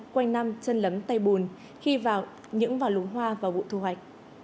quanh nam trân lấm tây bùn khi nhưỡng vào lùng hoa và bụi thu hoạch